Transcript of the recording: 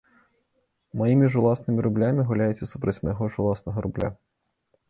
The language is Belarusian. Маімі ж уласнымі рублямі гуляеце супраць майго ж уласнага рубля.